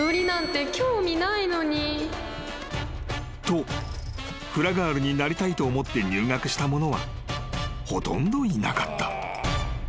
［とフラガールになりたいと思って入学した者はほとんどいなかった］